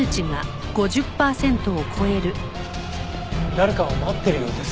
誰かを待ってるようです。